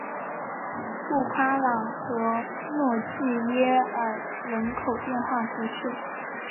布夸朗和诺济耶尔人口变化图示